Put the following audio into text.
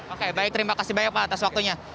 oke baik terima kasih banyak pak atas waktunya